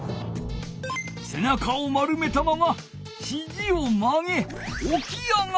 せなかを丸めたままひじをまげおき上がる。